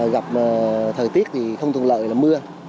gặp thời tiết thì không thuận lợi là mưa